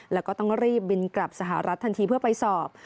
แล้วก็ต้องรีบบินกลับสหรัฐทันทีเพื่อไปสอบ